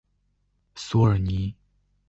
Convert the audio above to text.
索尔尼。